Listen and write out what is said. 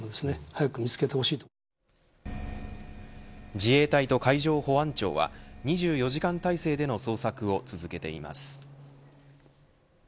自衛隊と海上保安庁は２４時間態勢での捜索を続けています。